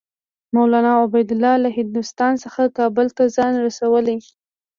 مولنا عبیدالله له هندوستان څخه کابل ته ځان رسولی.